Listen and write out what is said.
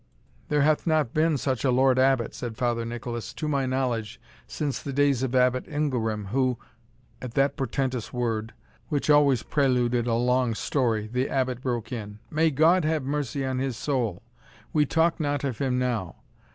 "There hath not been such a Lord Abbot," said Father Nicholas, "to my knowledge, since the days of Abbot Ingelram, who " At that portentous word, which always preluded a long story, the Abbot broke in. "May God have mercy on his soul! we talk not of him now.